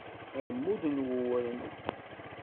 Ammud n uwren.